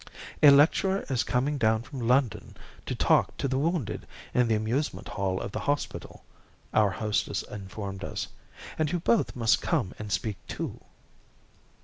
"A lecturer is coming down from London to talk to the wounded in the amusement hall of the hospital," our hostess informed us. "And you both must come and speak too."